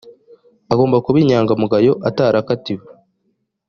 agomba kuba inyangamugayo atarakatiwe